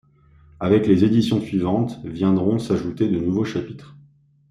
Avec les éditions suivantes, viendront s'ajouter de nouveaux chapitres.